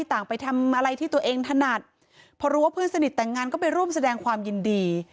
ต่างไปทำอะไรที่ตัวเองถนัดพอรู้ว่าเพื่อนสนิทแต่งงานก็ไปร่วมแสดงความยินดี